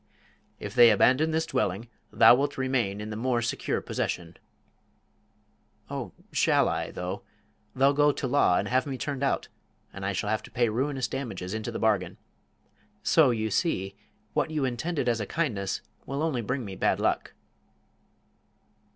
"If they abandon this dwelling, thou wilt remain in the more secure possession." "Oh, shall I, though? They'll go to law and have me turned out, and I shall have to pay ruinous damages into the bargain. So, you see, what you intended as a kindness will only bring me bad luck."